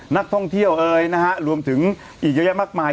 นักท่องเที่ยวเอยนะฮะรวมถึงอีกเยอะแยะมากมาย